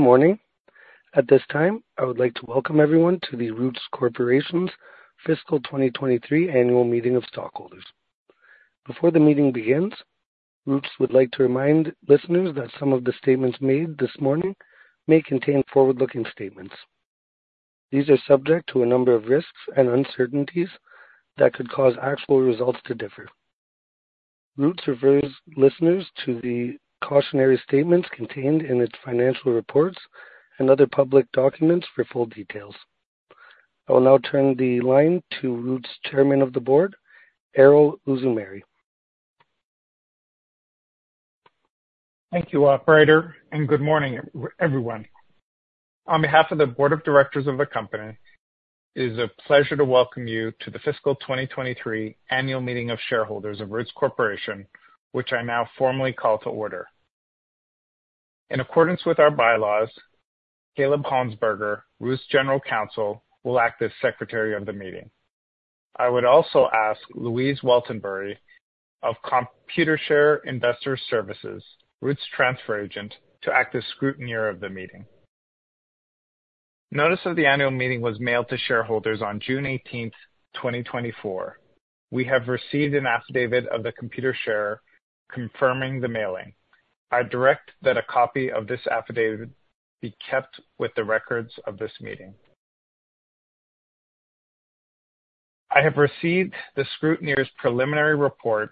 Good morning. At this time, I would like to welcome everyone to Roots Corporation's Fiscal 2023 Annual Meeting of Stockholders. Before the meeting begins, Roots would like to remind listeners that some of the statements made this morning may contain forward-looking statements. These are subject to a number of risks and uncertainties that could cause actual results to differ. Roots refers listeners to the cautionary statements contained in its financial reports and other public documents for full details. I will now turn the line to Roots Chairman of the Board, Erol Uzumeri. Thank you, operator, good morning, everyone. On behalf of the Board of Directors of the company, it is a pleasure to welcome you to the fiscal 2023 Annual Meeting of Shareholders of Roots Corporation, which I now formally call to order. In accordance with our bylaws, Kaleb Honsberger, Roots General Counsel, will act as Secretary of the meeting. I would also ask Louise Waltenbury of Computershare Investor Services, Roots transfer agent, to act as scrutineer of the meeting. Notice of the annual meeting was mailed to shareholders on June 18th, 2024. We have received an affidavit of the Computershare confirming the mailing. I direct that a copy of this affidavit be kept with the records of this meeting. I have received the scrutineer's preliminary report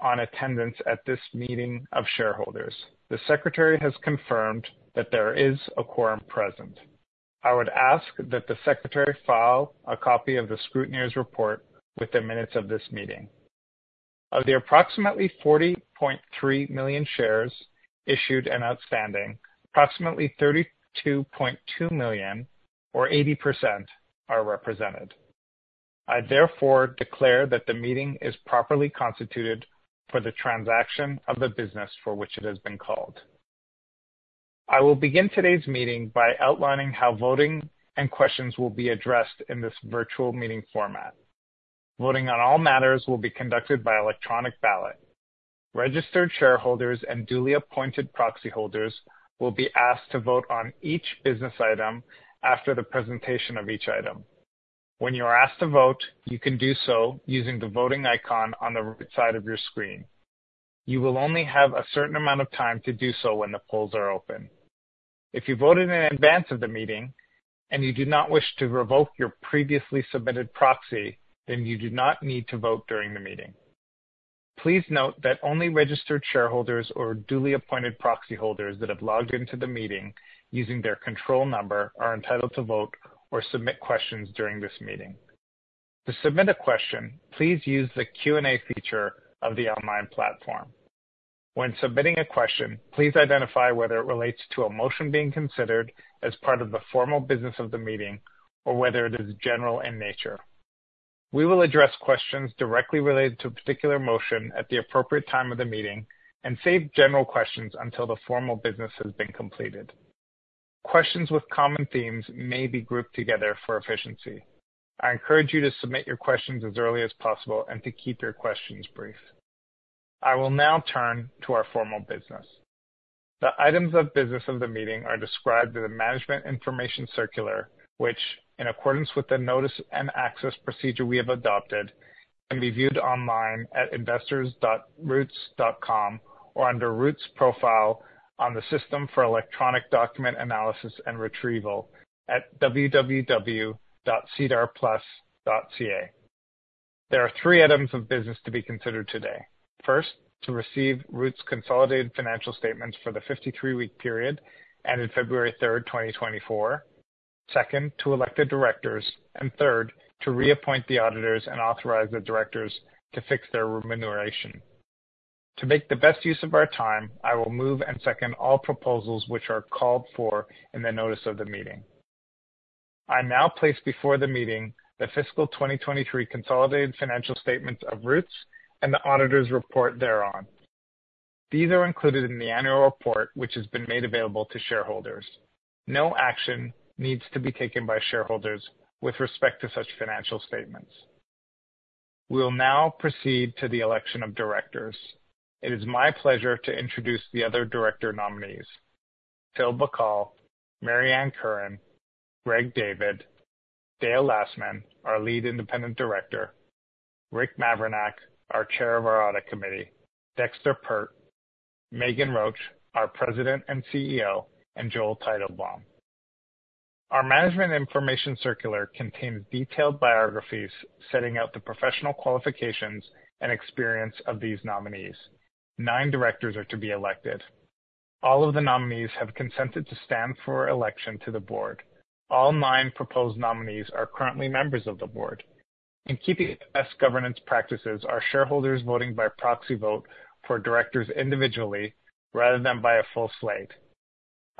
on attendance at this meeting of shareholders. The secretary has confirmed that there is a quorum present. I would ask that the secretary file a copy of the scrutineer's report with the minutes of this meeting. Of the approximately 40.3 million shares issued and outstanding, approximately 32.2 million or 80% are represented. I therefore declare that the meeting is properly constituted for the transaction of the business for which it has been called. I will begin today's meeting by outlining how voting and questions will be addressed in this virtual meeting format. Voting on all matters will be conducted by electronic ballot. Registered shareholders and duly appointed proxy holders will be asked to vote on each business item after the presentation of each item. When you are asked to vote, you can do so using the voting icon on the right side of your screen. You will only have a certain amount of time to do so when the polls are open. If you voted in advance of the meeting and you do not wish to revoke your previously submitted proxy, then you do not need to vote during the meeting. Please note that only registered shareholders or duly appointed proxy holders that have logged into the meeting using their control number are entitled to vote or submit questions during this meeting. To submit a question, please use the Q&A feature of the online platform. When submitting a question, please identify whether it relates to a motion being considered as part of the formal business of the meeting or whether it is general in nature. We will address questions directly related to a particular motion at the appropriate time of the meeting and save general questions until the formal business has been completed. Questions with common themes may be grouped together for efficiency. I encourage you to submit your questions as early as possible and to keep your questions brief. I will now turn to our formal business. The items of business of the meeting are described in the Management Information Circular, which, in accordance with the notice and access procedure we have adopted, can be viewed online at investors.roots.com or under Roots profile on the System for Electronic Document Analysis and Retrieval at www.sedarplus.ca. There are three items of business to be considered today. First, to receive Roots consolidated financial statements for the 53-week period ended February third, 2024. Second, to elect the directors. Third, to reappoint the auditors and authorize the directors to fix their remuneration. To make the best use of our time, I will move and second all proposals which are called for in the notice of the meeting. I now place before the meeting the fiscal 2023 consolidated financial statements of Roots and the auditor's report thereon. These are included in the annual report, which has been made available to shareholders. No action needs to be taken by shareholders with respect to such financial statements. We will now proceed to the election of directors. It is my pleasure to introduce the other director nominees, Phil Bacal, Mary Ann Curran, Greg David, Dale Lastman, our Lead Independent Director, Rick Mavrinac, our Chair of our Audit Committee, Dexter Peart, Meghan Roach, our President and CEO, and Joel Teitelbaum. Our Management Information Circular contains detailed biographies setting out the professional qualifications and experience of these nominees. Nine directors are to be elected. All of the nominees have consented to stand for election to the board. All nine proposed nominees are currently members of the board. In keeping with best governance practices, our shareholders voting by proxy vote for directors individually rather than by a full slate.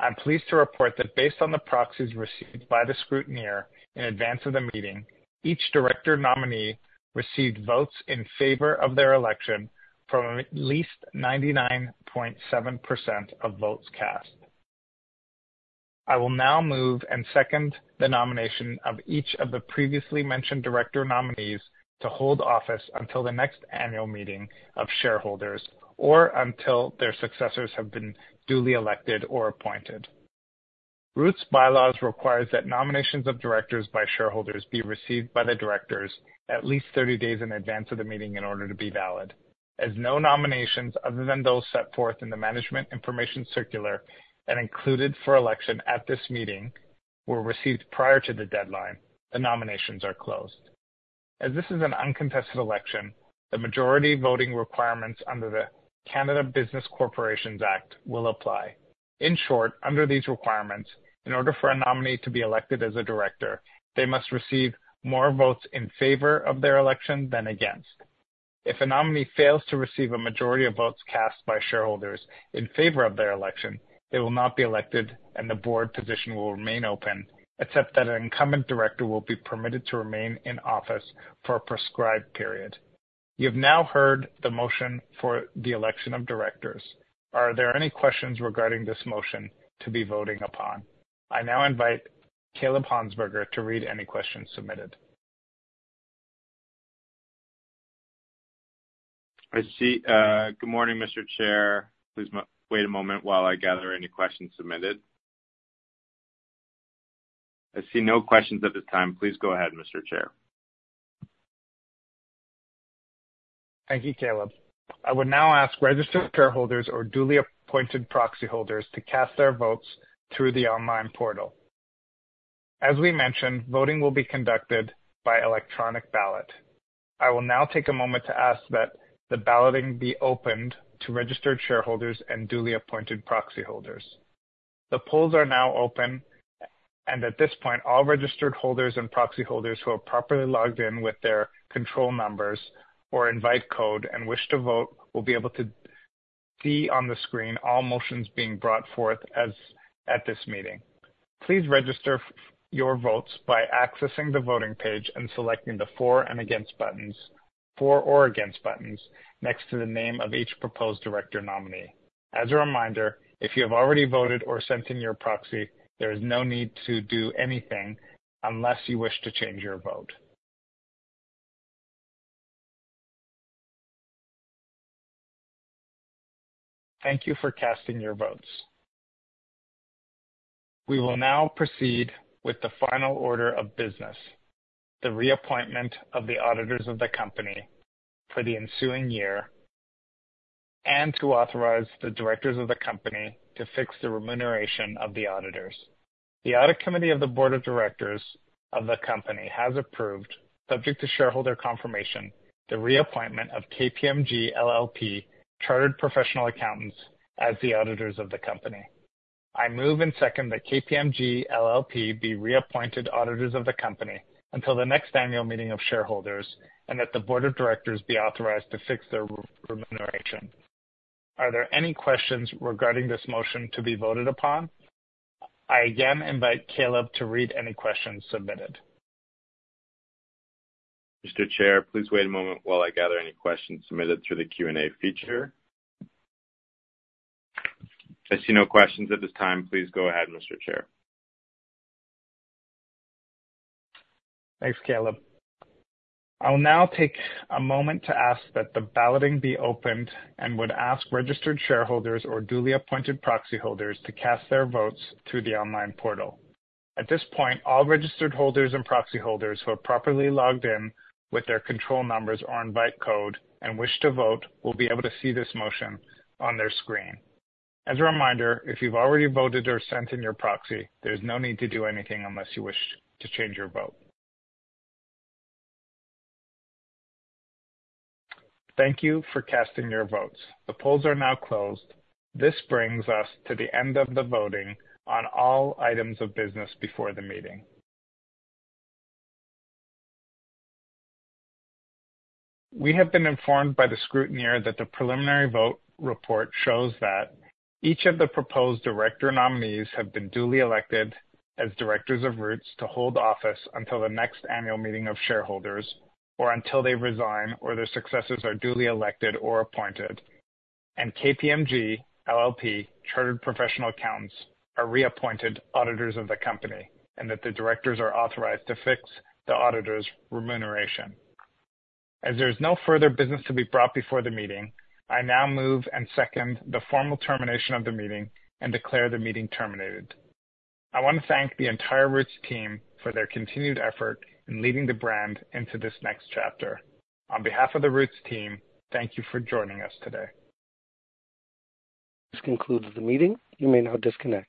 I'm pleased to report that based on the proxies received by the scrutineer in advance of the meeting, each director nominee received votes in favor of their election from at least 99.7% of votes cast. I will now move and second the nomination of each of the previously mentioned director nominees to hold office until the next annual meeting of shareholders or until their successors have been duly elected or appointed. Roots bylaws requires that nominations of directors by shareholders be received by the directors at least 30 days in advance of the meeting in order to be valid. As no nominations other than those set forth in the Management Information Circular and included for election at this meeting were received prior to the deadline, the nominations are closed. As this is an uncontested election, the majority voting requirements under the Canada Business Corporations Act will apply. In short, under these requirements, in order for a nominee to be elected as a director, they must receive more votes in favor of their election than against. If a nominee fails to receive a majority of votes cast by shareholders in favor of their election, they will not be elected and the board position will remain open, except that an incumbent director will be permitted to remain in office for a prescribed period. You have now heard the motion for the election of directors. Are there any questions regarding this motion to be voting upon? I now invite Kaleb Honsberger to read any questions submitted. I see. good morning, Mr. Chair. Please wait a moment while I gather any questions submitted. I see no questions at this time. Please go ahead, Mr. Chair. Thank you, Kaleb. I would now ask registered shareholders or duly appointed proxy holders to cast their votes through the online portal. As we mentioned, voting will be conducted by electronic ballot. I will now take a moment to ask that the balloting be opened to registered shareholders and duly appointed proxy holders. The polls are now open, and at this point, all registered holders and proxy holders who have properly logged in with their control numbers or invite code and wish to vote will be able to see on the screen all motions being brought forth as at this meeting. Please register your votes by accessing the voting page and selecting the for and against buttons. For or against buttons next to the name of each proposed director nominee. As a reminder, if you have already voted or sent in your proxy, there is no need to do anything unless you wish to change your vote. Thank you for casting your votes. We will now proceed with the final order of business, the reappointment of the auditors of the company for the ensuing year, and to authorize the directors of the company to fix the remuneration of the auditors. The audit committee of the Board of Directors of the company has approved, subject to shareholder confirmation, the reappointment of KPMG LLP Chartered Professional Accountants as the auditors of the company. I move and second that KPMG LLP be reappointed auditors of the company until the next annual meeting of shareholders, and that the Board of Directors be authorized to fix their re-remuneration. Are there any questions regarding this motion to be voted upon? I again invite Kaleb to read any questions submitted. Mr. Chair, please wait a moment while I gather any questions submitted through the Q&A feature. I see no questions at this time. Please go ahead, Mr. Chair. Thanks, Kaleb. I will now take a moment to ask that the balloting be opened and would ask registered shareholders or duly appointed proxy holders to cast their votes to the online portal. At this point, all registered holders and proxy holders who have properly logged in with their control numbers or invite code and wish to vote will be able to see this motion on their screen. As a reminder, if you've already voted or sent in your proxy, there's no need to do anything unless you wish to change your vote. Thank you for casting your votes. The polls are now closed. This brings us to the end of the voting on all items of business before the meeting. We have been informed by the scrutineer that the preliminary vote report shows that each of the proposed director nominees have been duly elected as directors of Roots to hold office until the next annual meeting of shareholders, or until they resign or their successes are duly elected or appointed. KPMG LLP Chartered Professional Accountants are reappointed auditors of the company and that the directors are authorized to fix the auditors' remuneration. As there is no further business to be brought before the meeting, I now move and second the formal termination of the meeting and declare the meeting terminated. I want to thank the entire Roots team for their continued effort in leading the brand into this next chapter. On behalf of the Roots team, thank you for joining us today. This concludes the meeting. You may now disconnect.